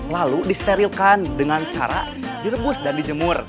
lalu disterilkan dengan cara direbus dan dijemur